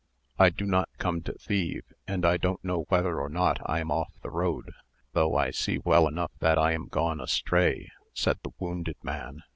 "I do not come to thieve; and I don't know whether or not I am off the road, though I see well enough that I am gone astray," said the wounded man.